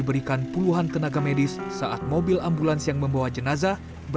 beliau tertapar covid sembilan belas dan kita rawat selama lima hari